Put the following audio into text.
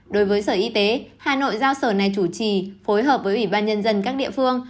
đối với sở y tế hà nội giao sở này chủ trì phối hợp với ủy ban nhân dân các địa phương